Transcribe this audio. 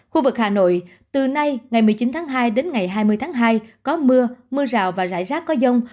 khu vực hà nội từ nay ngày một mươi chín tháng hai đến ngày hai mươi tháng hai có mưa mưa rào và rải rác có dông